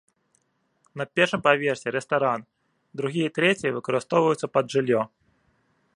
На першым паверсе рэстаран, другі і трэці выкарыстоўваюцца пад жыллё.